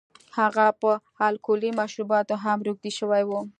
هغه په الکولي مشروباتو هم روږدی شوی و.